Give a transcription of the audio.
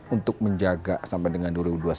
untuk menjaga sampai dengan dua ribu dua puluh satu